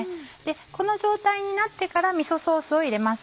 この状態になってからみそソースを入れます。